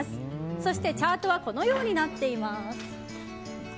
そしてチャートはこのようになっています。